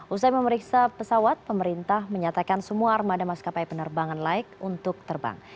usai memeriksa pesawat pemerintah menyatakan semua armada maskapai penerbangan laik untuk terbang